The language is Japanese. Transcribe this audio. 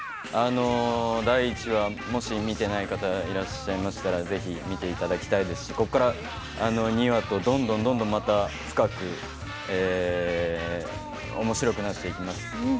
第１話、もし見てない方いらっしゃいましたらぜひ見ていただきたいですしここから２話とどんどん、どんどんまた深くおもしろくなっていきます。